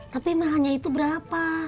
tapi mahalnya itu berapa